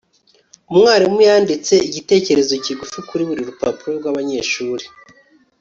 umwarimu yanditse igitekerezo kigufi kuri buri rupapuro rwabanyeshuri